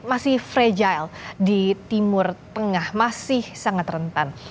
masih fragile di timur tengah masih sangat rentan